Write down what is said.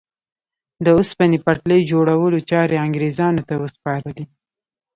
د اوسپنې پټلۍ جوړولو چارې انګرېزانو ته وسپارلې.